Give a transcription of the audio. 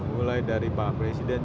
mulai dari pak presiden